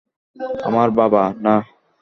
আমার বাবা, না?